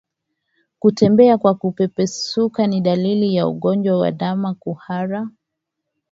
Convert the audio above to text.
Kutembea kwa kupepesuka ni dalili ya ugonjwa wa ndama kuhara